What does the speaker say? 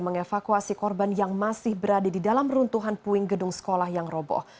mengevakuasi korban yang masih berada di dalam runtuhan puing gedung sekolah yang roboh